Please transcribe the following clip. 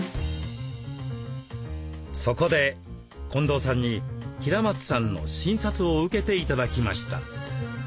そこで近藤さんに平松さんの診察を受けて頂きました。